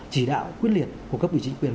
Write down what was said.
chỉ đạo quyết liệt của cấp ủy chính quyền